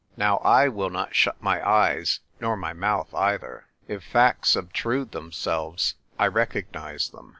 Now, I will not shut my eyes nor my mouth either. If facts obtrude themselves, I recognise them.